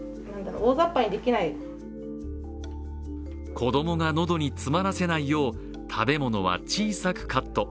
子供が喉に詰まらせないよう食べ物は小さくカット。